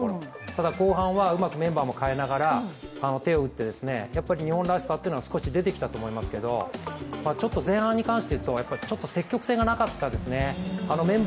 ただ、後半はうまくメンバーも変えながら、手を打って日本らしさが少し出てきたと思いますけど前半に関して、積極性がなかったですね。